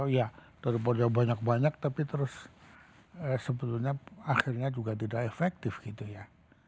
oh ya daripada banyak banyak tapi terus sebetulnya akhirnya juga tidak efektif gitu ya